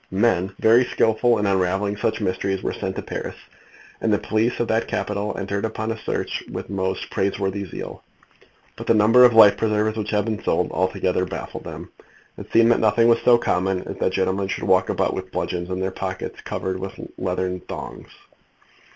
Men very skilful in unravelling such mysteries were sent to Paris, and the police of that capital entered upon the search with most praiseworthy zeal. But the number of life preservers which had been sold altogether baffled them. It seemed that nothing was so common as that gentlemen should walk about with bludgeons in their pockets covered with leathern thongs.